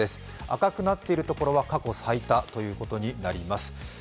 赤くなっている所は過去最多ということになります。